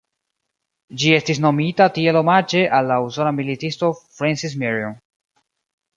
Ĝi estis nomita tiel omaĝe al la usona militisto Francis Marion.